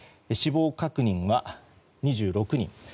死亡確認は２６人。